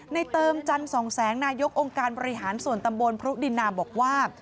เติมจันสองแสงนายกองค์การบริหารส่วนตำบลพรุดินนาบอกว่า